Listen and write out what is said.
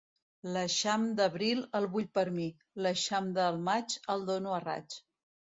L'eixam d'abril, el vull per mi; l'eixam del maig, el dono a raig.